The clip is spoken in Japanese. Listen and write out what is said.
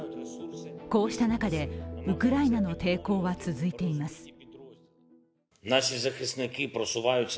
こうした中で、ウクライナの抵抗は続いています。